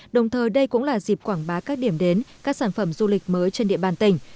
đồng thời đây cũng là dịp quảng bá các điểm đến các sản phẩm du lịch mới trên địa bàn tỉnh